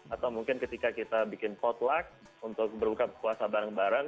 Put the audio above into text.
atau mungkin ketika kita bikin potluck untuk berbuka puasa bareng bareng